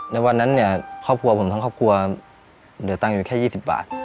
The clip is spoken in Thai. ในวันนั้นเนี่ยครอบครัวผมทั้งครอบครัวเหลือตังค์อยู่แค่๒๐บาท